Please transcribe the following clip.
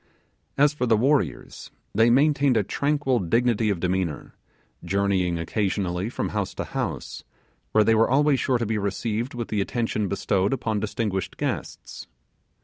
As for the warriors, they maintained a tranquil dignity of demeanour, journeying occasionally from house to house, where they were always sure to be received with the attention bestowed upon distinguished guests.